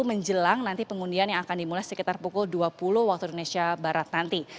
menjelang nanti pengundian yang akan dimulai sekitar pukul dua puluh waktu indonesia barat nanti